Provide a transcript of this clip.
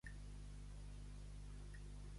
Santa Perpètua de Mogoda, els del país de l'oca.